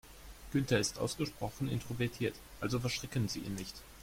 Günther ist ausgesprochen introvertiert, also verschrecken Sie ihn nicht.